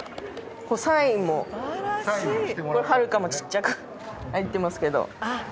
サインもはるかもちっちゃく入ってますけど。